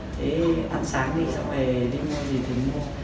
thế ăn sáng thì cháu về đi mua gì thì mua